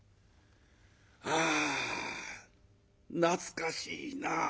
あ懐かしいなあ」。